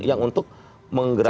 yang untuk menggerakkan